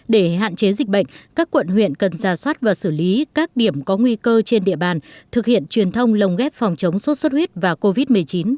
để hạn chế dịch bệnh các quận huyện cần ra soát và xử lý các điểm có nguy cơ trên địa bàn thực hiện truyền thông lồng ghép phòng chống sốt xuất huyết và covid một mươi chín